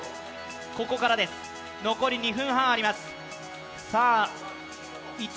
ここからです残り２分半あります。